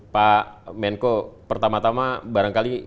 pak menko pertama tama barangkali